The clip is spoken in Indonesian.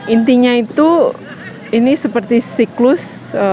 intinya itu ini seperti siklus